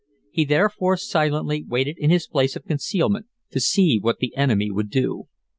He therefore silently waited in his place of concealment to see what the enemy would do.